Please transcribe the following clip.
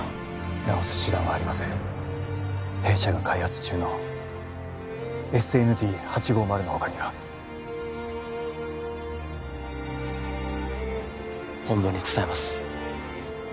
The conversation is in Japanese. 治す手段はありません弊社が開発中のＳＮＤ８５０の他には本部に伝えます